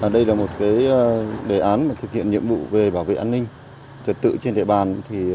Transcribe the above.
đây là một đề án thực hiện nhiệm vụ về bảo vệ an ninh trật tự trên địa bàn